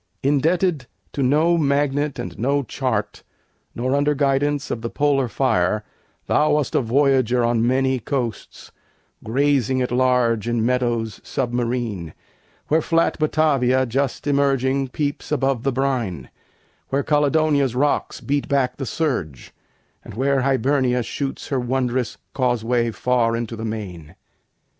Indebted to no magnet and no chart, Nor under guidance of the polar fire, Thou wast a voyager on many coasts, Grazing at large in meadows submarine, Where flat Batavia just emerging peeps Above the brine, where Caledonia's rocks Beat back the surge, and where Hibernia shoots Her wondrous causeway far into the main.